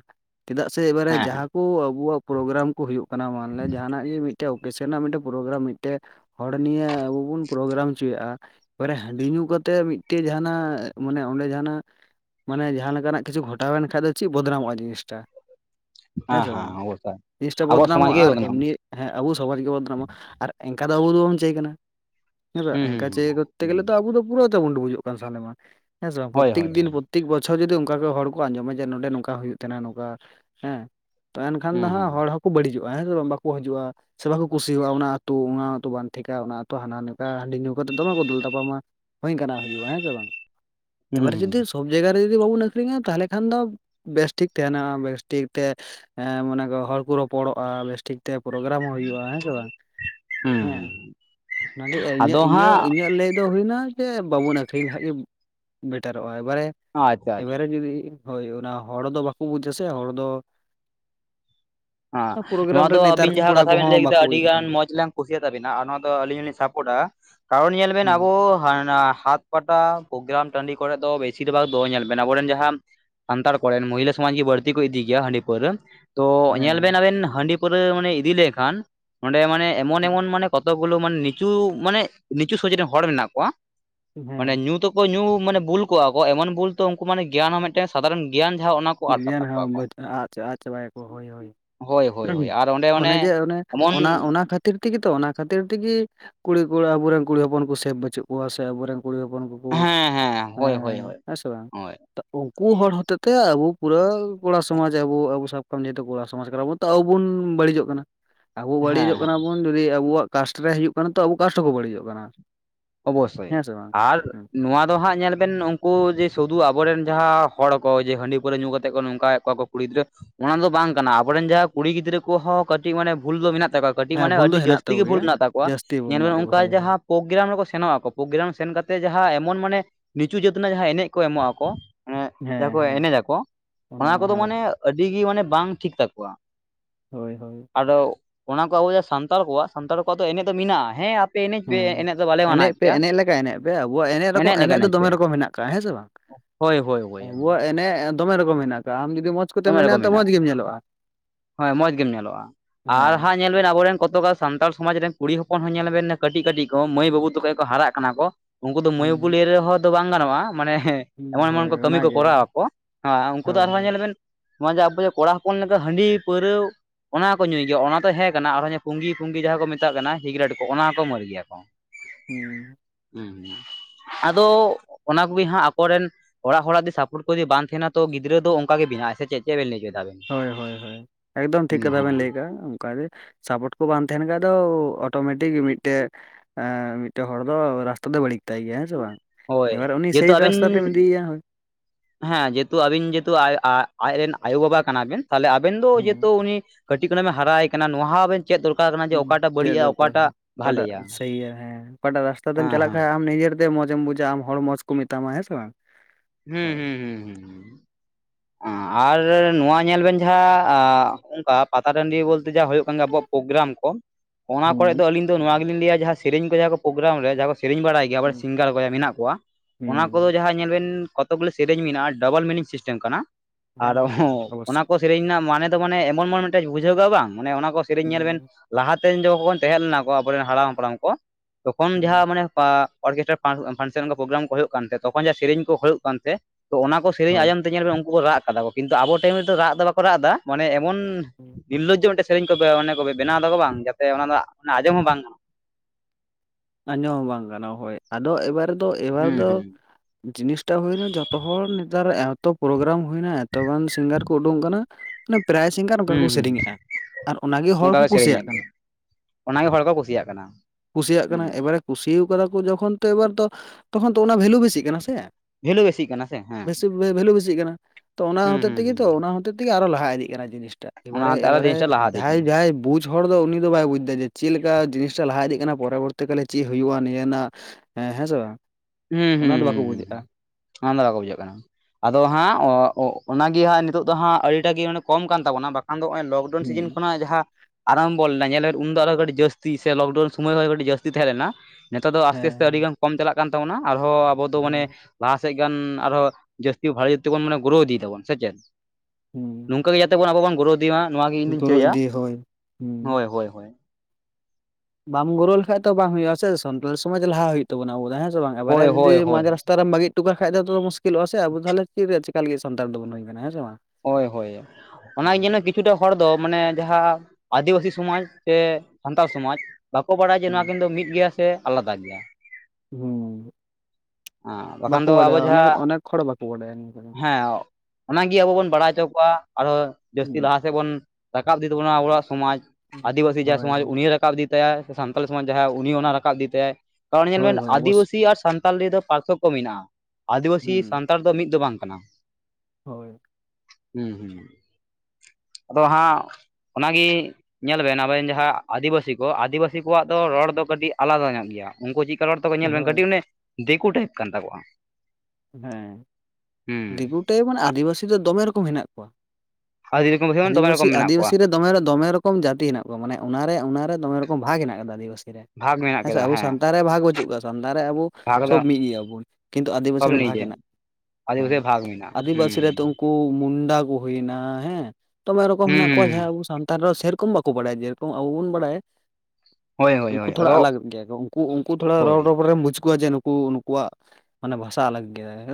ᱪᱮᱫᱟᱜ ᱥᱮ ᱮᱵᱟᱨᱮ ᱦᱮᱸ ᱡᱟᱸᱦᱟᱸ ᱠᱩ ᱟᱵᱩᱣᱟᱜ ᱯᱨᱳᱜᱨᱟᱢ ᱠᱚ ᱦᱩᱭᱩᱜ ᱠᱟᱱᱟ ᱢᱟᱱᱮ ᱡᱟᱦᱟᱱᱟᱜ ᱜᱮ ᱢᱤᱫ [inaudible] ᱳᱠᱮᱥᱮᱱ ᱨᱮᱱᱟᱜ ᱢᱤᱫᱴᱮᱱ ᱯᱨᱳᱜᱨᱟᱢ ᱢᱤᱫᱴᱮ ᱦᱚᱲ ᱱᱤᱭᱮ ᱟᱵᱚ ᱵᱩᱱ ᱯᱨᱳᱜᱨᱟᱢ ᱦᱚᱪᱩᱭᱮᱜᱼᱟ᱾ ᱮᱵᱟᱨᱮ ᱦᱟᱺᱰᱤ ᱧᱩ ᱠᱟᱛᱮᱜ ᱢᱤᱫᱴᱮ ᱡᱟᱸᱦᱟᱸᱱᱟᱜ ᱢᱟᱱᱮ ᱚᱸᱰᱮ ᱡᱟᱸᱦᱟᱸᱱᱟᱜ ᱢᱟᱱᱮ ᱡᱟᱸᱦᱟᱸ ᱞᱮᱠᱟᱱᱟᱜ ᱠᱤᱪᱷᱩ ᱜᱷᱚᱴᱟᱣᱮᱱ ᱠᱷᱟᱡ ᱫᱚ ᱪᱮᱫ ᱵᱚᱫᱱᱟᱢᱚᱜᱼᱟ ᱡᱤᱱᱤᱥᱴᱟ, ᱦᱮᱸ ᱥᱮ ᱵᱟᱝ ᱡᱤᱥᱴᱟ ᱟᱵᱚᱣᱟᱜ ᱥᱚᱢᱟᱡᱽ ᱵᱚᱫᱱᱟᱢᱚᱜ ᱜᱮ ᱟᱨ ᱵᱚᱫᱱᱟᱢ ᱮᱢᱱᱤ ᱦᱮᱸ ᱟᱵᱩ ᱥᱚᱢᱟᱡ ᱜᱮ ᱵᱚᱫᱱᱟᱢᱚᱜᱼᱟ ᱟᱨ ᱮᱝᱠᱟ ᱫᱚ ᱟᱵᱩ ᱫᱚ ᱵᱟᱵᱚᱱ ᱪᱟᱹᱭ ᱠᱟᱱᱟ᱾ ᱦᱮᱸᱥᱮ ᱦᱩᱸ ᱮᱝᱠᱟ ᱦᱩᱸ ᱪᱟᱹᱭ ᱠᱚᱨᱛᱮ ᱦᱩᱸ ᱜᱮᱞᱮ ᱛᱚ ᱟᱵᱩ ᱫᱚ ᱯᱩᱨᱟᱹ ᱛᱚᱵᱚᱱ ᱰᱩᱵᱩᱡᱚᱜ ᱠᱟᱱ ᱥᱟᱵ ᱢᱮ ᱢᱟ ᱦᱮᱸᱥᱮ ᱵᱟᱝ ᱦᱳᱭ ᱯᱨᱚᱛᱮᱠ ᱦᱳᱭ ᱫᱤᱱ ᱦᱳᱭ ᱛᱤᱠ ᱵᱚᱪᱷᱚᱨ ᱡᱩᱫᱤ ᱚᱝᱠᱟ ᱠᱚ ᱦᱚᱲ ᱠᱚ ᱟᱸᱡᱚᱢᱟ ᱡᱮ ᱱᱚᱸᱰᱮ ᱱᱚᱝᱠᱟ ᱦᱩᱭᱩᱜ ᱛᱟᱸᱦᱮᱸᱱᱟ ᱱᱚᱝᱠᱟ ᱦᱮᱸ ᱮᱱᱠᱷᱟᱱ ᱫᱚ ᱦᱩᱸ ᱦᱟᱸᱜ ᱦᱩᱸ ᱦᱚᱲ ᱦᱚᱸᱠᱚ ᱵᱟᱹᱲᱤᱡᱚᱜᱼᱟ ᱦᱮᱸ ᱥᱮ ᱵᱟᱝ ᱵᱟᱠᱚ ᱦᱤᱡᱩᱜᱼᱟ᱾ ᱥᱮ ᱵᱟᱠᱚ ᱠᱩᱥᱤᱣᱟᱜᱼᱟ ᱚᱱᱟ ᱟᱛᱩ ᱚᱱᱟ ᱟᱛᱩ ᱵᱟᱝ ᱴᱷᱤᱠᱟ ᱚᱱᱟ ᱟᱛᱩ ᱦᱟᱱᱟ ᱱᱮᱝᱠᱟ ᱦᱟᱺᱰᱤ ᱧᱩ ᱠᱟᱛᱮᱫ ᱫᱚᱢᱮ ᱠᱚ ᱫᱟᱹᱞ ᱛᱟᱯᱟᱢᱟ᱾ ᱦᱳᱭ ᱚᱝᱠᱟᱱᱟᱜ ᱦᱩᱭᱩᱜᱼᱟ ᱦᱮᱸ ᱥᱮ ᱵᱟᱝ᱾ ᱦᱩᱸ ᱮᱵᱟᱨ ᱦᱩᱸ ᱡᱩᱫᱤ ᱥᱚᱵ ᱡᱟᱭᱜᱟ ᱨᱮ ᱡᱩᱫᱤ ᱵᱟᱵᱩᱱ ᱟᱹᱠᱷᱨᱤᱧᱟ ᱛᱟᱦᱞᱮ ᱠᱷᱟᱱ ᱫᱚ ᱵᱮᱥᱴᱷᱤᱠ ᱛᱟᱦᱮᱱᱟ ᱵᱮᱥ ᱴᱷᱤᱠ ᱛᱮ ᱮᱸ ᱢᱟᱱᱮ ᱜᱚ ᱦᱚᱲ ᱠᱚ ᱨᱚᱯᱚᱲᱚᱜᱼᱟ ᱵᱮᱥᱴᱷᱤᱠᱛᱮ ᱯᱨᱳᱜᱨᱟᱢ ᱦᱚᱸ ᱦᱩᱭᱩᱜᱼᱟ᱾ ᱦᱮᱸ ᱥᱮ ᱵᱟᱝ ᱦᱮᱸ ᱦᱩᱸ ᱚᱱᱟᱜᱮ ᱤᱧᱟᱹᱜ ᱟᱫᱚ ᱤᱧᱟᱹᱜ ᱦᱟᱸᱜ ᱤᱧᱟᱹᱜ ᱞᱟᱹᱭ ᱫᱚ ᱦᱩᱭᱱᱟ ᱡᱮ ᱵᱟᱵᱩᱱ ᱟᱹᱠᱷᱨᱤᱧ ᱞᱮᱠᱷᱟᱡ ᱜᱤ ᱵᱮᱴᱟᱨᱚᱜᱼᱟ ᱮᱵᱟᱨᱮ ᱟᱪᱪᱷᱟ ᱟᱪᱪᱷᱟ ᱮᱵᱟᱨᱮ ᱡᱩᱫᱤ ᱦᱳᱭ ᱚᱱᱟ ᱦᱚᱲ ᱫᱚ ᱵᱟᱠᱚ ᱵᱩᱡᱟ ᱥᱮ, ᱦᱚᱲ ᱫᱚ ᱚᱸ ᱱᱚᱣᱟ ᱯᱨᱳᱜᱨᱟᱢ ᱨᱮ ᱫᱚ ᱱᱮᱛᱟᱨ ᱟᱵᱤᱱ ᱠᱚ ᱡᱟᱸᱦᱟᱸ ᱠᱚᱲᱟ ᱠᱟᱛᱷᱟ ᱵᱤᱱ ᱞᱟᱹᱭ ᱠᱚᱦᱚᱸ ᱠᱮᱫᱟ ᱵᱟᱠᱚ ᱟᱹᱰᱤ ᱜᱟᱱ ᱦᱮᱸ ᱢᱚᱸᱡᱽ ᱞᱮᱱ ᱠᱩᱥᱤᱭᱟ ᱛᱟᱵᱤᱱᱟ ᱟᱨ ᱱᱚᱣᱟ ᱫᱚ ᱟᱹᱞᱤᱧ ᱦᱚᱸᱞᱤᱧ ᱥᱟᱯᱳᱴᱟ, ᱠᱟᱨᱚᱱ ᱧᱮᱞ ᱵᱮᱱ ᱟᱵᱚ ᱦᱟᱛ ᱯᱟᱛᱟ ᱯᱳᱜᱜᱨᱟᱢ ᱴᱟᱺᱰᱤ ᱠᱚᱨᱮ ᱫᱚ ᱵᱮᱥᱤᱨ ᱵᱷᱟᱜ ᱫᱚ ᱧᱮᱞ ᱵᱮᱱ ᱟᱵᱚᱨᱮᱱ ᱡᱟᱸᱦᱟᱸ ᱥᱟᱱᱛᱟᱲ ᱠᱚᱨᱮᱱ ᱢᱚᱦᱤᱞᱟ ᱥᱚᱢᱟᱡ ᱜᱮ ᱵᱟᱹᱲᱛᱤ ᱠᱚ ᱤᱫᱤ ᱜᱮᱭᱟ ᱦᱟᱺᱰᱤ ᱯᱟᱹᱣᱨᱟᱹ᱾ ᱛᱚ ᱧᱮᱞ ᱵᱮᱱ ᱦᱮᱸ ᱦᱟᱺᱰᱤ ᱯᱟᱹᱨᱟᱹ ᱢᱟᱱᱮ ᱤᱫᱤ ᱞᱮᱠᱷᱟᱱ ᱱᱚᱸᱰᱮ ᱢᱟᱱᱮ ᱮᱢᱚᱱ ᱮᱢᱚᱱ ᱢᱟᱱᱮ ᱠᱚᱛᱚ ᱜᱩᱞᱳ ᱢᱟᱱᱮ ᱱᱤᱪᱩ ᱢᱟᱱᱮ ᱱᱤᱪᱩ ᱥᱳᱪ ᱨᱮᱱ ᱦᱚᱲ ᱢᱮᱱᱟᱜ ᱠᱚᱣᱟ ᱢᱟᱱᱮ ᱦᱮᱸ ᱧᱩ ᱛᱚᱠᱼᱼ ᱧᱩ ᱢᱟᱱᱮ ᱵᱩᱞ ᱠᱚᱜᱼᱟ ᱠᱚ ᱮᱢᱚᱱ ᱵᱩᱞ ᱛᱚ ᱩᱱᱠᱩ ᱢᱟᱱᱮ ᱜᱮᱭᱟᱱ ᱦᱚᱸ ᱢᱤᱫᱴᱮᱱ ᱥᱟᱫᱷᱟᱨᱚᱱ ᱜᱮᱭᱟᱱ ᱡᱟᱸᱦᱟᱸ ᱚᱱᱟ ᱠᱚ ᱟᱫ ᱧ ᱠᱟᱛᱟ ᱦ ᱠᱚᱣᱟ ᱠᱚ ᱪᱟᱵᱟᱟᱭ ᱠᱚ ᱦᱳᱭ ᱦᱳᱭ, ᱦᱳᱭ ᱦᱳᱭ ᱦᱳᱭ ᱟᱨ ᱚᱸᱰᱮ [inaudible] ᱚᱱᱮ ᱡᱮ ᱚᱱᱮ ᱮᱢᱚᱱ ᱚᱱᱟ ᱚᱱᱟ ᱠᱷᱮᱛ ᱛᱤᱨ ᱛᱤᱜᱤ ᱛᱚ ᱚᱱᱟ ᱠᱷᱟᱛᱤᱨ ᱛᱤᱜᱤ ᱠᱩᱲᱤ ᱠᱚᱲᱟ ᱟᱵᱚᱨᱮᱱ ᱠᱩᱲᱤ ᱦᱚᱯᱚᱱ ᱠᱚ ᱥᱮᱵᱷ ᱵᱟᱹᱪᱩᱜ ᱠᱚᱣᱟ ᱥᱮ ᱟᱵᱚᱨᱮᱱ ᱠᱩᱲᱤ ᱦᱚᱯᱚᱱ ᱠᱚ ᱠᱩ ᱦᱮᱸ ᱦᱳᱭ ᱦᱳᱭ ᱦᱮᱸ ᱦᱳᱭ ᱦᱮᱸ ᱥᱮ ᱵᱟᱝ ᱦᱳᱭ ᱩᱝᱠᱩ ᱦᱚᱲ ᱦᱚᱛᱮ ᱛᱮ ᱟᱵᱩ ᱯᱩᱨᱟᱹ ᱠᱚᱲᱟ ᱥᱚᱢᱟᱡ ᱟᱵᱩ ᱟᱵᱩ ᱥᱟᱵ ᱠᱟᱢ ᱡᱮᱦᱮᱛᱩ ᱠᱚᱲᱟ ᱥᱚᱢᱟᱡ ᱠᱟᱱᱟᱵᱩᱱ ᱛᱚ ᱟᱵᱩᱱ ᱵᱟᱹᱲᱤᱡᱚᱜ ᱠᱟᱱᱟ᱾ ᱟᱵᱩ ᱦᱮᱸ ᱵᱟᱹᱲᱤᱡᱚᱜ ᱠᱟᱱᱟ ᱦᱮᱸ ᱵᱩᱱ ᱡᱩᱫᱤ ᱟᱵᱩᱣᱟᱜ ᱠᱟᱥᱴᱨᱮ ᱦᱤᱡᱩᱜ ᱠᱟᱱᱟ ᱛᱚ ᱟᱵᱩ ᱠᱟᱥᱴ ᱦᱚᱸᱠᱚ ᱵᱟᱹᱲᱤᱡᱚᱜ ᱠᱟᱱᱟ᱾ ᱚᱵᱚᱥᱥᱚᱭ ᱦᱮᱸ ᱥᱮ ᱵᱟᱝ ᱟᱨ ᱦᱩᱸ ᱱᱚᱣᱟ ᱫᱚ ᱦᱟᱸᱜ ᱧᱮᱞ ᱵᱮᱱ ᱩᱝᱠᱩ ᱡᱮ ᱥᱩᱫᱩ ᱟᱵᱚᱨᱮᱱ ᱡᱟᱸᱦᱟᱸ ᱦᱚᱲ ᱠᱚ ᱡᱮ ᱦᱟᱺᱰᱤ ᱯᱟᱹᱣᱨᱟᱹ ᱧᱩ ᱠᱟᱛᱮ ᱠᱚ ᱱᱚᱝᱠᱟ ᱮᱫ ᱠᱚᱣᱟ ᱠᱚ ᱠᱩᱲᱤ ᱜᱤᱫᱽᱨᱟᱹ ᱚᱱᱟ ᱫᱚ ᱵᱟᱝ ᱠᱟᱱᱟ ᱟᱵᱚᱨᱮᱱ ᱡᱟᱸᱦᱟᱸᱭ ᱠᱩᱲᱤ ᱜᱤᱫᱽᱨᱟᱹ ᱠᱚᱸᱦᱚᱸ ᱠᱟᱹᱴᱤᱡ ᱢᱟᱱᱮ ᱵᱷᱩᱞ ᱫᱚ ᱢᱮᱱᱟᱜ ᱛᱟᱠᱚᱣᱟ᱾ ᱠᱟᱴᱤᱡ ᱦᱮᱸ ᱢᱟᱱᱮ ᱵᱷᱩᱞ ᱫᱚ ᱟᱹᱰᱤ ᱦᱮᱱᱟᱜ ᱡᱟᱹᱥᱛᱤ ᱛᱟᱠᱚ ᱜᱤ ᱵᱷᱩᱞ ᱜᱮᱭᱟ ᱢᱮᱱᱟᱜ ᱛᱟᱠᱚᱣᱟ ᱡᱟᱹᱥᱛᱤ ᱵᱷᱩᱞ ᱧᱮᱞ ᱢᱮ ᱢᱮᱱᱟᱜ ᱛᱟᱠᱚ ᱚᱝᱠᱟ ᱦᱳᱭ ᱦᱳᱭ ᱡᱟᱸᱦᱟᱸ ᱯᱳᱜᱜᱨᱟᱢ ᱨᱮᱠᱚ ᱥᱮᱱᱚᱜᱼᱟᱠᱚ ᱯᱨᱳᱜᱨᱟᱢ ᱥᱮᱱ ᱠᱟᱛᱮᱫ ᱡᱟᱸᱦᱟᱸ ᱮᱢᱚᱱ ᱢᱟᱱᱮ ᱱᱤᱪᱩ ᱡᱟᱹᱛ ᱨᱮᱱᱟᱜ ᱡᱟᱸᱦᱟᱸ ᱮᱱᱮᱡ ᱠᱚ ᱮᱢᱚᱜᱼᱟᱠᱚ, ᱮᱸ ᱦᱮᱸ ᱡᱟᱦᱟᱸ ᱠᱚ ᱦᱮᱸ ᱮᱱᱮᱡ ᱟᱠᱚ ᱚᱱᱟ ᱠᱚᱫᱚ ᱢᱟᱱᱮ ᱟᱹᱰᱤ ᱜᱤ ᱢᱟᱱᱮ ᱵᱟᱝ ᱴᱷᱤᱠ ᱛᱟᱠᱚᱣᱟ᱾ ᱦᱳᱭ ᱦᱳᱭ᱾ ᱟᱫᱚ ᱚᱱᱟ ᱠᱚ ᱟᱵᱚ ᱡᱟ ᱥᱟᱱᱛᱟᱲ ᱠᱚᱣᱟᱜ ᱥᱟᱱᱛᱟᱲ ᱠᱚᱣᱟᱜ ᱫᱚ ᱮᱱᱮᱡ ᱫᱚ ᱢᱤᱱᱟᱜᱼᱟ ᱦᱮᱸ ᱟᱯᱮ ᱮᱱᱮᱡ ᱯᱮ ᱦᱩᱸ ᱮᱱᱮᱡ ᱫᱚ ᱵᱟᱞᱮ ᱮᱱᱮᱡ ᱢᱟᱱᱟᱭᱮᱫ ᱯᱮ ᱯᱮᱭᱟ ᱮᱱᱮᱡ ᱞᱮᱠᱟ ᱮᱱᱮᱡ ᱯᱮ ᱟᱵᱩᱣᱟᱜ ᱮᱱᱮᱡ ᱫᱚᱠᱚ ᱮᱱᱮᱡ ᱫᱚ ᱫᱚᱢᱮ ᱨᱚᱠᱚᱢ ᱢᱮᱱᱟᱜᱼᱟ ᱦᱮᱸ ᱥᱮ ᱵᱟᱝ, ᱦᱳᱭ ᱦᱳᱭ ᱦᱳᱭ ᱟᱵᱩᱣᱟᱜ ᱮᱱᱮᱡ ᱫᱚᱢᱮ ᱨᱚᱠᱚᱢ ᱢᱮᱱᱟᱜ ᱠᱟᱜᱼᱟ ᱟᱢ ᱡᱩᱫᱤ ᱢᱚᱡᱽ ᱠᱚᱛᱮᱢ ᱫᱚᱢᱮ ᱮᱱᱮᱡᱼᱟ ᱨᱚᱠᱚᱢ ᱛᱚ ᱢᱚᱡᱽ ᱢᱮᱱᱟᱜᱼᱟ ᱜᱮᱢ ᱧᱮᱞᱚᱜᱼᱟ᱾ ᱦᱳᱭ ᱢᱚᱸᱡᱽ ᱜᱮᱢ ᱧᱮᱞᱚᱜᱼᱟ, ᱟᱨ ᱦᱮᱸ ᱦᱟᱸᱜ ᱧᱮᱞ ᱵᱮᱱ ᱟᱵᱚᱨᱮᱱ ᱠᱚᱛᱠᱟ ᱥᱟᱱᱛᱟᱲ ᱥᱚᱢᱟᱡ ᱨᱮᱱ ᱠᱩᱲᱤ ᱦᱚᱯᱚᱱ ᱦᱚᱸ ᱧᱮᱞ ᱵᱮᱱ ᱠᱟᱹᱴᱤᱡ ᱠᱟᱹᱴᱤᱡ ᱠᱚ ᱢᱟᱹᱭ ᱵᱟᱹᱵᱩ ᱛᱟᱠᱚ ᱠᱚ ᱦᱮᱜᱼᱮ ᱦᱟᱨᱟᱜ ᱠᱟᱱᱟ ᱠᱚ, ᱩᱱᱠᱳ ᱫᱚ ᱢᱟᱹᱭ ᱵᱟᱹᱵᱩ ᱦᱩᱸ ᱞᱮᱭ ᱨᱮᱦᱚᱸ ᱫᱚ ᱵᱟᱝ ᱜᱟᱱᱚᱜᱼᱟ, ᱢᱟᱱᱮ ᱮᱢᱟᱱ ᱦᱳᱭ ᱮᱢᱟᱱ ᱠᱚ ᱠᱟᱹᱢᱤ ᱠᱚ ᱚᱱᱟᱜᱮ ᱠᱚᱨᱟᱣᱟ ᱠᱚ ᱦᱮ ᱩᱱᱠᱳ ᱫᱚ ᱦᱳᱭ ᱟᱨᱦᱚᱸ ᱦᱳᱭ ᱧᱮᱞ ᱵᱮᱱ ᱱᱚᱭᱟ ᱡᱮ ᱟᱠᱚ ᱡᱮ ᱠᱚᱲᱟ ᱦᱚᱯᱚᱱ ᱞᱮᱠᱟ ᱦᱟᱺᱰᱤ ᱯᱟᱹᱣᱨᱟᱹᱣ ᱚᱱᱟ ᱦᱚᱸ ᱠᱚ ᱧᱩᱭ ᱜᱮᱭᱟ ᱚᱱᱟ ᱛᱚ ᱦᱮᱸ ᱠᱟᱱᱟ ᱟᱨᱦᱚᱸ ᱯᱩᱝᱜᱤ ᱯᱷᱩᱸᱜᱤ ᱡᱟᱦᱟᱸ ᱠᱚ ᱢᱤᱛᱟᱜ ᱠᱟᱱᱟ ᱥᱤᱜᱽᱨᱮᱴ ᱠᱚ ᱚᱱᱟ ᱦᱚᱸ ᱠᱚ ᱢᱟᱹᱨ ᱜᱤᱭᱟ ᱠᱚ, [unintelligible] ᱦᱩᱸ ᱦᱮᱸ ᱟᱫᱚ ᱚᱱᱟ ᱠᱩᱜᱤ ᱦᱟᱸᱜ ᱟᱠᱚᱨᱮᱱ ᱚᱲᱟᱜ ᱦᱚᱲᱟᱜ ᱡᱮ ᱥᱟᱯᱳᱴ ᱠᱚ ᱡᱮ ᱵᱟᱝ ᱛᱮᱦᱮᱱᱟ ᱛᱚ ᱜᱤᱫᱽᱨᱟᱹ ᱫᱚ ᱚᱱᱠᱟ ᱜᱮ ᱵᱤᱱᱟᱜ ᱟᱭ ᱥᱮ ᱪᱮᱫ ᱪᱮᱫ ᱵᱮᱱ ᱞᱟᱹᱭ ᱪᱚᱭᱫᱟ? ᱦᱳᱭ ᱦᱳᱭ ᱦᱳᱭ ᱮᱠᱫᱚᱢ ᱴᱷᱤᱠ ᱠᱟᱛᱷᱟ ᱵᱮᱱ ᱞᱟᱹᱭ ᱠᱟᱜᱼᱟ ᱚᱱᱠᱟᱜᱮ᱾ ᱥᱟᱯᱳᱴ ᱠᱚ ᱵᱟᱝ ᱛᱮᱦᱮ ᱱᱮᱠᱷᱟᱡ ᱫᱚ ᱚᱴᱳᱢᱮᱴᱤᱠ ᱢᱤᱫᱴᱮᱡᱼᱼ ᱢᱤᱫᱴᱮᱡ ᱦᱚᱲ ᱫᱚ ᱨᱟᱥᱛᱟ ᱫᱚᱭ ᱵᱟᱹᱲᱤᱡ ᱛᱟᱭ ᱜᱤᱭᱟ ᱦᱮᱸ ᱥᱮ ᱵᱟᱝ ᱦᱳᱭ ᱮᱵᱟᱨ ᱩᱱᱤ ᱥᱮᱭ ᱡᱮᱦᱮᱛᱩ ᱟᱵᱮᱱ ᱨᱟᱥᱛᱟ ᱛᱮᱢ ᱤᱫᱤᱭᱟ ᱦᱳ᱾ ᱦᱮᱸ ᱡᱮᱦᱮᱛᱩ ᱟᱹᱵᱤᱱ ᱡᱮᱦᱮᱛᱩ ᱟᱡ ᱟᱡᱨᱮᱱ ᱟᱭᱳ ᱵᱟᱵᱟ ᱠᱟᱱᱟ ᱵᱮᱱ ᱛᱟᱦᱞᱮ ᱟᱵᱮᱱ ᱫᱚ ᱦᱩᱸ ᱡᱮᱦᱮᱛᱩ ᱩᱱᱤᱼᱼ ᱠᱟᱹᱴᱤᱡ ᱠᱷᱚᱱᱟᱜ ᱵᱮᱱ ᱦᱟᱨᱟᱭᱮ ᱠᱟᱱᱟ ᱱᱚᱣᱟ ᱦᱚᱸ ᱟᱵᱮᱱᱼᱼ ᱦᱩᱸ ᱪᱮᱫ ᱫᱚᱨᱠᱟᱨ ᱚᱠᱟᱴᱟᱜ ᱵᱷᱟᱞᱮᱭᱟ ᱥᱟᱹᱦᱤᱭᱟ ᱦᱮᱸ ᱚᱠᱟᱴᱟᱜ ᱨᱟᱥᱛᱟ ᱛᱮᱢ ᱦᱮᱸ ᱪᱟᱞᱟᱜ ᱦᱮᱸ ᱠᱷᱟᱡ ᱟᱢ ᱱᱤᱡᱮᱨᱼᱼ ᱛᱮ ᱢᱚᱡᱽ ᱮᱢ ᱵᱩᱡᱟ ᱟᱢ ᱦᱚᱲ ᱢᱚᱸᱡᱽ ᱠᱚ ᱢᱮᱛᱟᱢᱟ ᱦᱮᱸ ᱥᱮ ᱵᱟᱝ, ᱦᱩᱸ ᱦᱳᱭ ᱦᱩᱸ ᱦᱩᱸ ᱦᱩᱸ ᱦᱩᱸ ᱟᱨ ᱱᱚᱣᱟ ᱧᱮᱞ ᱵᱮᱱ ᱡᱟᱦᱟᱸ ᱚᱱᱠᱟ ᱯᱟᱛᱟ ᱴᱟᱺᱰᱤ ᱵᱚᱞᱛᱮ ᱡᱟ ᱦᱳᱭᱳᱜᱼᱼ ᱠᱟᱱ ᱟᱵᱚᱣᱟᱜ ᱯᱨᱳᱜᱨᱟᱢ ᱠᱚ ᱚᱱᱟ ᱠᱚᱨᱮ ᱫᱚ ᱦᱩᱸ ᱟᱹᱞᱤᱧᱼᱼ ᱫᱚ ᱱᱚᱣᱟ ᱜᱤᱞᱤᱧ ᱞᱟᱹᱭᱟ ᱡᱟᱦᱟᱸ ᱥᱮᱨᱮᱧ ᱠᱚ ᱡᱟᱦᱟᱸ ᱠᱚ ᱯᱨᱳᱜᱨᱟᱢ ᱨᱮ ᱡᱟᱦᱟᱸ ᱠᱚ ᱥᱮᱨᱮᱧ ᱵᱟᱲᱟᱭᱼᱼ ᱜᱤᱭᱟ ᱟᱵᱟᱨ ᱦᱩᱸ ᱥᱤᱝᱜᱟᱨ ᱠᱚ ᱡᱟᱦᱟᱸᱭ ᱢᱤᱱᱟᱜ ᱠᱚᱣᱟ ᱚᱱᱟ ᱠᱚᱫᱚ ᱦᱩᱸ ᱡᱟᱦᱟᱸ ᱧᱮᱞ ᱵᱮᱱᱼᱼ ᱠᱚᱛᱚᱠ ᱜᱩᱞᱟᱹ ᱥᱮᱨᱮᱧ ᱢᱤᱱᱟᱜᱼᱟ ᱰᱟᱵᱚᱞ ᱢᱤᱱᱤᱝ ᱥᱤᱥᱴᱮᱢ ᱠᱟᱱᱟ ᱟᱨ ᱦᱮᱸ ᱦᱮᱸ ᱦᱚᱸ ᱚᱱᱟᱼᱼ ᱚᱵᱚᱥᱥᱳᱭ ᱥᱮᱨᱮᱧ ᱨᱮᱱᱟᱜ ᱢᱟᱱᱮ ᱫᱚ ᱢᱟᱱᱮ ᱮᱢᱚᱱ ᱢᱚᱱ ᱢᱤᱫᱴᱮᱡ ᱵᱩᱡᱷᱟᱹᱣ ᱠᱜᱼᱟ ᱵᱟᱝ ᱢᱟᱱᱮ ᱚᱱᱟ ᱠᱚ ᱥᱮᱨᱮᱧ ᱧᱮᱞ ᱵᱮᱱ ᱦᱩᱸ ᱞᱟᱦᱟ ᱼᱼ ᱛᱮᱱ ᱡᱚᱠᱷᱱ ᱛᱮᱦᱮᱸ ᱞᱮᱱᱟ ᱠᱚ ᱟᱵᱚᱨᱮᱱ ᱦᱟᱲᱟᱢ ᱦᱟᱯᱲᱟᱢ ᱠᱚ ᱛᱚᱠᱷᱚᱱ ᱦᱩᱸ ᱡᱟᱦᱟᱸ ᱢᱟᱱᱮᱼᱼ ᱚᱨᱠᱮᱥᱴᱟᱨ ᱯᱷᱟᱱᱥᱮᱱ ᱠᱚ ᱯᱨᱳᱜᱨᱟᱢ ᱠᱚ ᱦᱳᱭᱳᱜ ᱠᱟᱱ ᱛᱮᱦᱮᱸ ᱛᱚᱠᱷᱚᱱ ᱡᱟ ᱥᱮᱨᱮᱧ ᱠᱚ ᱦᱳᱭᱳᱜ ᱠᱟᱱᱛᱮ ᱛᱚ ᱚᱱᱟ ᱠᱚ, ᱥᱮᱨᱮᱧ ᱦᱳᱭ ᱟᱸᱡᱚᱢ ᱛᱮ ᱧᱮᱞᱵᱮᱱ ᱩᱱᱠᱩ ᱠᱚ ᱨᱟᱜ ᱠᱟᱫᱟ ᱠᱚ ᱠᱤᱱᱛᱩ ᱟᱵᱚ ᱴᱟᱹᱭᱤᱢ ᱨᱮᱫᱚ ᱨᱟᱜ ᱫᱚ ᱵᱟᱠᱚ ᱨᱟᱜ ᱫᱟ ᱢᱟᱱᱮ ᱮᱢᱚᱱᱼᱼ ᱦᱩᱸ ᱱᱤᱨᱞᱚᱡᱡᱚ ᱢᱮᱫᱴᱮᱡ ᱥᱮᱨᱮᱧ ᱠᱚ ᱵᱮ ᱚᱱᱮ ᱠᱚ ᱵᱮᱱᱟᱣᱫᱟᱠᱚ ᱵᱟᱝ ᱡᱟᱛᱮ ᱚᱱᱟ ᱫᱚ ᱟᱸᱡᱚᱢ ᱦᱚᱸ ᱵᱟᱝ ᱜᱟᱼᱼ ᱟᱸᱡᱚᱢ ᱦᱚᱸ ᱵᱟᱝ ᱠᱟᱱᱟ ᱦᱳᱭ ᱟᱫᱚ ᱮᱵᱟᱨ ᱫᱚ ᱮᱵᱟᱨ ᱦᱩᱸ ᱫᱚ᱾ ᱦᱩᱸ ᱡᱤᱱᱤᱥᱴᱟ ᱦᱳᱭᱱᱟ ᱡᱚᱛᱚ ᱦᱚᱲ ᱱᱮᱛᱟᱨ ᱮᱛᱚ ᱯᱨᱳᱜᱨᱟᱢ ᱦᱳᱭᱱᱟ ᱮᱛᱚ ᱜᱟᱱ ᱥᱤᱝᱜᱟᱨ ᱠᱚ ᱩᱰᱩᱝ ᱠᱟᱱᱟ, ᱢᱟᱱᱮ ᱯᱨᱟᱭ ᱥᱤᱝᱜᱟᱨ ᱚᱱᱠᱟ ᱦᱩᱸ ᱠᱩ ᱦᱩᱸ ᱥᱮᱨᱮᱧᱮᱜᱼᱟ ᱟᱨ ᱚᱱᱟᱜᱮ ᱦᱚᱲ ᱚᱱᱠᱟ ᱠᱚ ᱥᱮᱨᱮᱧᱟ ᱠᱩᱥᱤᱭᱟᱜ ᱠᱟ ᱟᱨᱠᱤ, ᱚᱱᱟᱜᱮ ᱦᱚᱲ ᱠᱚ ᱠᱩᱥᱤᱭᱟᱜ ᱠᱟᱱᱟ᱾ [inaudible] ᱦᱩᱸ ᱮᱵᱟᱨᱮ ᱠᱩᱥᱤᱩ ᱠᱟᱫᱟ ᱠᱚ ᱡᱚᱠᱷᱚᱱ ᱛᱚ ᱮᱵᱟᱨ ᱛᱚ ᱛᱠᱷᱚᱱ ᱛᱟ ᱚᱱᱟ ᱵᱷᱮᱞᱩ ᱵᱤᱥᱤᱜ ᱠᱟᱱᱟ ᱥᱮ᱾ ᱵᱷᱮᱞᱩ ᱵᱮᱥᱤᱜ ᱠᱟᱱᱟ ᱥᱮ ᱦᱮᱸ ᱵᱮᱥᱤ ᱵᱷᱮᱞᱩ ᱵᱤᱥᱤᱜ ᱠᱟᱱᱟ ᱛᱚ ᱚᱱᱟ ᱦᱩᱸ ᱦᱚᱛᱮᱡ ᱦᱩᱸ ᱛᱮᱜᱮ ᱦᱩᱸ ᱛᱚ ᱚᱱᱟ ᱦᱚᱛᱮᱼᱼ ᱛᱤᱛᱮ ᱟᱨᱦᱚ ᱞᱟᱦᱟ ᱤᱫᱤᱜ ᱠᱟᱱᱟ ᱡᱤᱱᱤᱥᱴᱟᱜ ᱮᱵᱟᱨᱮ ᱚᱱᱟᱛᱮ ᱟᱫᱚ ᱮᱵᱟᱨᱮ ᱡᱤᱱᱤᱥ ᱴᱟᱜ ᱞᱟᱦᱟ ᱤᱫᱤᱜ ᱠᱟᱱᱟ ᱡᱟᱦᱟᱸᱭ ᱡᱟᱦᱟᱸᱟᱭ ᱵᱩᱡᱼᱼ ᱡᱷᱚᱲ ᱫᱚ ᱩᱱᱤ ᱫᱚ ᱵᱟᱭ ᱵᱩᱡ ᱫᱟ ᱡᱮ ᱪᱮᱫ ᱞᱮᱠᱟ ᱡᱤᱱᱤᱥᱥᱟ ᱞᱟᱦᱟ ᱤᱫᱤᱜ ᱠᱟᱱᱟ ᱯᱚᱨᱚᱵᱚᱨᱛᱤᱼᱼ ᱛᱟᱠᱟᱞᱮ ᱪᱤᱜ ᱦᱳᱭᱩᱜᱼᱟ ᱱᱤᱭᱟᱹ ᱨᱮᱱᱟᱜ ᱦᱮᱸ ᱥᱮ ᱵᱟᱝ᱾ ᱦᱩᱸ ᱚᱱᱟ ᱦᱩᱸ ᱫᱚ ᱵᱟᱠᱚ ᱦᱩᱸ ᱦᱩᱸ ᱵᱩᱡᱮᱜᱼᱟ ᱚᱱᱟᱫᱚ ᱵᱟᱠᱚ ᱵᱩᱡᱷᱟᱹᱜ ᱠᱟᱱᱟ᱾ ᱟᱫᱚ ᱦᱟᱸᱜ ᱚᱱᱟᱜᱤ ᱦᱟᱸᱜ ᱱᱤᱛᱚᱜ ᱫᱚ ᱦᱟᱸᱜ ᱟᱹᱰᱤᱴᱟ ᱜᱤ ᱠᱚᱢ ᱠᱟᱱ ᱛᱟᱵᱚᱱᱟ ᱵᱟᱼᱼ ᱠᱷᱟᱱᱫᱚ ᱱᱚᱜᱼᱚᱭ ᱞᱚᱠᱰᱟᱣᱩᱱ ᱦᱩᱸ ᱥᱤᱡᱤᱱ ᱠᱷᱚᱱᱟᱜ ᱡᱟᱦᱟᱸᱼᱼ ᱟᱨᱢᱵᱷᱚᱞ ᱞᱮᱱᱟ ᱧᱮᱞᱮᱫ ᱩᱱᱫᱚ ᱟᱨᱚ ᱠᱟᱹᱴᱤᱡ ᱡᱟᱹᱥᱛᱤ ᱥᱮ ᱞᱚᱠᱰᱟᱹᱣᱩᱱ ᱥᱚᱢᱚᱭ ᱦᱚᱸᱭ ᱠᱟᱹᱴᱤᱡ ᱡᱟᱹᱥᱛᱤ ᱛᱮᱸᱦᱮ ᱞᱮᱱᱟ, ᱱᱮᱛᱟᱨ ᱫᱚ ᱟᱥᱛᱮ ᱟᱥᱛᱮ ᱟᱹᱰᱤ ᱦᱮᱸ ᱜᱟᱱ ᱠᱚᱢ ᱪᱟᱞᱟᱜ ᱠᱟᱱ ᱛᱟᱵᱚᱱᱟ, ᱟᱨᱦᱚᱸ ᱟᱵᱚ ᱫᱚ ᱢᱟᱱᱮᱼᱼ ᱦᱮᱸ ᱞᱟᱦᱟ ᱥᱮᱜ ᱜᱟᱱ ᱟᱨᱦᱚᱸ ᱡᱟᱹᱥᱛᱤ ᱵᱷᱟᱨᱮ ᱛᱵᱚᱱ ᱢᱟᱱᱮ ᱜᱨᱳ ᱤᱫᱤ ᱫᱟᱵᱚᱱ ᱥᱮ ᱪᱮᱫ? ᱱᱚᱝᱠᱟ ᱜᱮ ᱡᱟᱛᱮ ᱵᱚᱱ ᱟᱵᱚ ᱵᱚᱱ ᱜᱳᱨᱳ ᱤᱫᱤ ᱢᱟ ᱱᱚᱣᱟ ᱜᱤ ᱦᱩᱸ ᱤᱧᱫᱩᱧ ᱜᱚᱨᱚ ᱪᱟᱹᱭᱟ, ᱤᱫᱤ ᱦᱳᱭ ᱦᱩᱸ ᱦᱳᱭ ᱦᱳᱭ ᱦᱳᱭ᱾ ᱵᱟᱢ ᱜᱨᱳ ᱞᱮᱠᱷᱟᱡ ᱫᱚ ᱵᱟᱝ ᱦᱩᱭᱩᱜᱼᱟ ᱥᱮ ᱥᱟᱱᱛᱟᱞ ᱥᱚᱢᱟᱡᱽ ᱞᱟᱦᱟ ᱦᱩᱭᱩᱜ ᱛᱟᱵᱚᱱᱟ ᱟᱵᱚ ᱫᱚ ᱦᱮᱸᱼᱼ ᱵᱟᱝ ᱮᱵᱟᱨᱮ ᱦᱳᱭ ᱡᱩᱫᱤ ᱦᱳᱭ ᱦᱳᱭ ᱢᱟᱡᱽ ᱨᱟᱥᱛᱟᱨᱮᱢ ᱵᱟᱹᱜᱤᱼᱼ ᱦᱚᱴᱚᱠᱟᱜ ᱠᱷᱟᱱ ᱫᱚᱛᱚ ᱢᱩᱥᱠᱤᱞᱚᱜᱼᱟ ᱥᱮ ᱟᱵᱳ ᱛᱟᱦᱚᱞᱮ ᱪᱮᱫ ᱨᱮ ᱪᱮᱠᱟ ᱞᱟᱜᱤ ᱥᱟᱱᱛᱟᱲ ᱫᱚ ᱵᱚᱱ ᱦᱩᱭ ᱠᱟᱱᱟ ᱦᱮᱸ ᱥᱮ ᱵᱟᱝ? ᱦᱳᱭ ᱦᱳᱭ ᱚᱱᱟᱜᱮ ᱡᱮᱱᱚ ᱦᱩᱸ ᱠᱤᱪᱷᱩᱼᱼ ᱠᱤᱪᱷᱩᱴᱟ ᱦᱚᱲ ᱫᱚ ᱢᱟᱱᱮ ᱡᱟᱦᱟᱸ ᱟᱹᱫᱤᱵᱟᱹᱥᱤ ᱥᱚᱢᱟᱡᱽ ᱥᱮ ᱥᱟᱱᱛᱟᱲ ᱥᱚᱢᱟᱡᱽ, ᱵᱟᱠᱚ ᱵᱟᱲᱟᱭᱟ ᱡᱮ ᱱᱚᱣᱟ ᱠᱤᱱ ᱫᱚ ᱢᱤᱫ ᱜᱮᱭᱟ ᱥᱮ ᱟᱞᱟᱫᱟ ᱜᱮᱭᱟ? ᱦᱩᱸ ᱵᱟᱠᱷᱟᱱ ᱵᱟᱠᱚ ᱫᱚ ᱟᱵᱚ ᱵᱟᱰᱟᱭᱟ ᱚᱱᱮᱠ ᱡᱟᱦᱟᱸ ᱚᱱᱮᱠ ᱦᱚᱲ ᱵᱟᱠᱚ ᱵᱟᱰᱟᱭᱟ᱾ ᱦᱮᱸ ᱚᱜ ᱚᱱᱟᱜᱮ ᱟᱵᱚ ᱵᱚᱱ ᱵᱟᱲᱟᱭ ᱦᱚᱪᱚ ᱠᱚᱣᱟ ᱟᱨᱦᱚᱸ ᱡᱟᱹᱥᱛᱤ ᱦᱩᱸ ᱞᱟᱦᱟ ᱥᱮᱫ ᱵᱚᱱ ᱨᱟᱠᱟᱵ ᱤᱫᱤ ᱛᱟᱵᱚᱱᱟ ᱟᱵᱚᱣᱟᱜ ᱥᱚᱢᱟᱡᱽ᱾ ᱟᱹᱫᱤᱵᱟᱹᱥᱤ ᱡᱟᱦᱟᱸᱭ ᱦᱳᱭ ᱥᱚᱢᱟᱡᱽ ᱦᱳᱭ ᱩᱱᱤᱭ ᱨᱟᱠᱟᱵ ᱤᱫᱤ ᱛᱟᱭᱟᱭ ᱥᱮ ᱥᱟᱱᱛᱟᱲ ᱥᱚᱢᱟᱡᱽ ᱡᱟᱦᱟᱸᱭ ᱩᱱᱤ ᱚᱱᱟ ᱨᱟᱠᱟᱵ ᱤᱫᱤ ᱛᱟᱭᱟᱭ, ᱚᱱᱮ ᱧᱮᱞ ᱦᱳᱭ ᱵᱤᱱ ᱦᱳᱭ ᱚᱵᱚᱥ ᱟᱹᱫᱤᱵᱟᱹᱥᱤ ᱟᱨ ᱥᱟᱱᱛᱟᱲ ᱨᱮᱫᱚ ᱯᱟᱨᱛᱷᱚᱠᱠᱚ ᱢᱮᱱᱟᱜᱼᱟ ᱟᱹᱫᱤᱵᱟᱹᱥᱤ ᱦᱩᱸ ᱥᱟᱱᱛᱟᱲᱼᱼ ᱫᱚ ᱢᱤᱫ ᱫᱚ ᱵᱟᱝ ᱠᱟᱱᱟ᱾ ᱦᱳᱭ ᱦᱩᱸ ᱦᱩᱸ ᱟᱫᱚ ᱦᱟᱸᱜ ᱚᱱᱟᱜᱮ ᱧᱮᱞ ᱵᱮᱱ ᱟᱵᱮᱱ ᱡᱟᱦᱟᱸ ᱟᱹᱫᱤᱵᱟᱹᱥᱤ ᱠᱚ, ᱟᱹᱫᱤᱵᱟᱹᱥᱤ ᱠᱚᱣᱟᱜ ᱫᱚ ᱨᱚᱲ ᱫᱚ ᱠᱟᱹᱴᱤᱡ ᱟᱞᱟᱫᱟ ᱧᱚᱜ ᱜᱮᱭᱟ ᱾ ᱩᱱᱠᱩ ᱪᱮᱫ ᱠᱟ ᱨᱚᱲ ᱛᱟᱠᱚ ᱧᱮᱞ ᱵᱮᱱ ᱦᱳᱭ ᱠᱟᱹᱴᱤᱡ ᱚᱱᱮ ᱫᱤᱠᱩ ᱴᱟᱭᱤᱯ ᱠᱟᱱ ᱛᱟᱠᱚᱣᱟ ᱾ ᱦᱮᱸ ᱦᱩᱸ ᱫᱤᱠᱩ ᱴᱟᱭᱤᱯ ᱢᱟᱱᱮ ᱟᱹᱫᱤᱵᱟᱹᱥᱤ ᱫᱚ ᱫᱚᱢᱮ ᱨᱚᱠᱚᱢ ᱦᱮᱱᱟᱜ ᱠᱚᱣᱟ ᱟᱹᱫᱤᱵᱟᱹᱥᱤ ᱾ ᱟ. ᱢᱟ ᱫᱚᱢᱮ ᱫᱤᱵᱟ. ᱨᱚᱠᱚᱢ ᱥᱤ ᱟ. ᱢᱮᱱᱟᱜ ᱫᱤᱵᱟ. ᱠᱚᱣᱟ ᱥᱤ ᱨᱮ ᱫᱚᱢᱮ ᱫᱚᱢᱮ ᱨᱚᱠᱚᱢ ᱡᱟᱹᱛᱤ ᱦᱮᱱᱟᱜ ᱠᱚᱣᱟ ᱾ ᱢᱟᱱᱮ ᱚᱱᱟᱨᱮ ᱚᱱᱟᱨᱮ ᱫᱚᱢᱮ ᱨᱚᱠᱚᱢ ᱵᱷᱟᱜᱽ ᱦᱮᱱᱟᱜ ᱟᱠᱟᱫᱟ ᱟᱹᱫᱤᱵᱟᱹᱥᱤ ᱨᱮ᱾ ᱵᱷᱟᱜᱽ ᱢᱮᱱᱟᱜ ᱦᱮᱸᱥᱮ ᱠᱮᱫᱟ ᱟᱵᱚ ᱦᱮᱸ ᱥᱟᱱᱛᱟᱲ ᱨᱮ ᱵᱷᱟᱜᱽ ᱵᱟᱪᱩᱜ ᱠᱚᱣᱟ ᱾ ᱥᱟᱱᱛᱟᱲ ᱨᱮ ᱟᱵᱚ ᱵᱷᱟᱜᱽ ᱫᱚ ᱥᱚᱵ ᱢᱤᱫ ᱜᱮᱭᱟᱵᱚᱱ ᱠᱤᱱᱛᱩ ᱟᱹᱫᱤᱵᱟᱹᱥᱤ ᱥᱚᱵ ᱵᱷᱟᱜᱽ ᱱᱤᱡᱮ ᱟᱹᱫᱤᱵᱟᱹᱥᱤ ᱢᱮᱱᱟᱜ ᱵᱷᱟᱜᱽ ᱢᱮᱱᱟᱜᱼᱟ ᱦᱩᱸ ᱟᱹᱫᱤᱵᱟᱹᱥᱤ ᱦᱩᱸ ᱨᱮᱫᱚ ᱩᱱᱠᱩ ᱠᱩ ᱢᱩᱱᱰᱟ ᱠᱚ ᱦᱩᱭᱱᱟ᱾ ᱦᱮᱸ ᱫᱚᱢᱮ ᱨᱚᱠᱚᱢ ᱦᱩᱸ ᱦᱮᱱᱟᱜ ᱠᱚᱣᱟ ᱦᱩᱸ ᱡᱟᱦᱟᱸᱭ ᱟᱵᱚ ᱥᱟᱱᱛᱟᱲ ᱨᱮ ᱥᱮ ᱨᱚᱠᱩ ᱠᱚᱢ ᱵᱟᱠᱚ ᱵᱟᱲᱟᱭᱟ ᱡᱮᱨᱚᱠᱚᱢ ᱟᱵᱚ ᱵᱚᱱ ᱵᱟᱲᱟᱭᱟ ᱾ ᱦᱳᱭ ᱦᱳᱭ ᱩᱱᱠᱩ ᱦᱳᱭ ᱛᱷᱚᱲᱟ ᱟᱫᱚ ᱟᱞᱟᱜᱽ ᱜᱮᱭᱟ ᱩᱱᱠᱩ, ᱩᱱᱠᱩ ᱛᱷᱚᱲᱟ ᱨᱚᱲ ᱦᱳᱭ ᱨᱚᱯᱚᱲ ᱨᱮᱢ ᱵᱩᱡᱽ ᱠᱚᱣᱟ ᱡᱮ ᱱᱩᱠᱩ ᱠᱚᱣᱟᱜ ᱢᱟᱱᱮ ᱵᱷᱟᱥᱟ ᱟᱞᱟᱜ ᱜᱮᱭᱟ ᱾